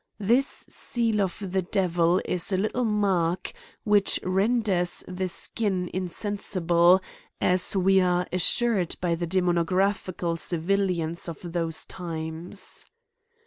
This seal of the Devil, is a little mark, which renders the skin insensible, as we are as sured by the demonographical civilians of those times.